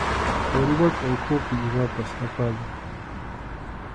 Wallwakʼu ukhupi imapas apana.